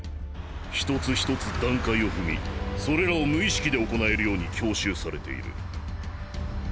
一つ一つ段階を踏みそれらを無意識で行えるように教習されている。